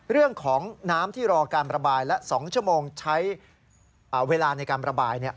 เรื่องของน้ำที่รอการระบายและ๒ชั่วโมงใช้เวลาในการระบาย